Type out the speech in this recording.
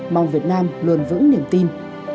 mong việt nam luôn vững niềm tin